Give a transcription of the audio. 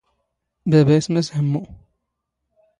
ⴱⴰⴱⴰ ⵉⵙⵎ ⴰⵙ ⵀⵎⵎⵓ.